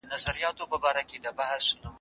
خپل کور په ګلانو ښایسته کړئ.